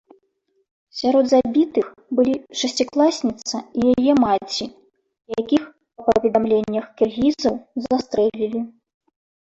Сярод забітых былі шасцікласніца і яе маці, якіх, па паведамленнях кіргізаў, застрэлілі.